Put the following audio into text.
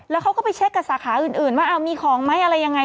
แล้วเขาก็ไปเช็คกับสาขาอื่นว่ามีของไหมอะไรยังไง